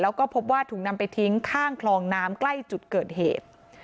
แล้วก็พบว่าถูกนำไปทิ้งข้างคลองน้ำใกล้จุดเกิดเหตุ